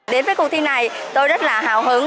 đến với cuộc thi này tôi rất là hào hứng